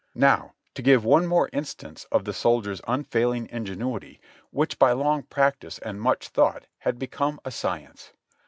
Now to give one more instance of the soldier's unfailing in genuity, which by long practice and much thought had become a science.